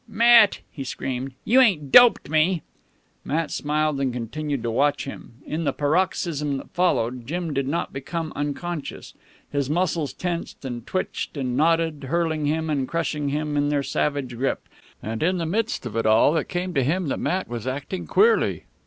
"Matt!" he screamed. "You ain't doped me?" Matt smiled and continued to watch him. In the paroxysm that followed, Jim did not become unconscious. His muscles tensed and twitched and knotted, hurting him and crushing him in their savage grip. And in the midst of it all, it came to him that Matt was acting queerly.